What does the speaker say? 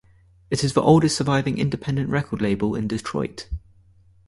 It is the oldest surviving independent record label in Detroit.